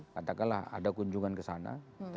katakanlah ada kunjungan ke sana